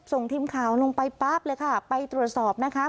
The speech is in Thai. ส่งทีมข่าวลงไปปั๊บเลยค่ะไปตรวจสอบนะคะ